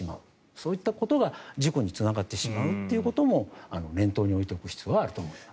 そういったことが事故につながってしまうということも念頭に置いておく必要があると思います。